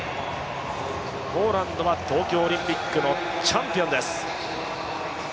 ポーランドは東京オリンピックのチャンピオンです。